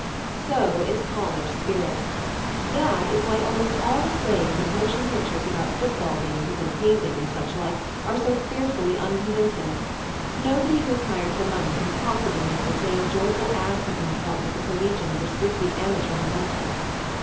So is college spirit. That is why almost all the plays and motion pictures about football games and hazing and such like are so fearfully unconvincing. Nobody who is hired for money can possibly make the same joyful ass of himself as a collegian under strictly amateur momentum.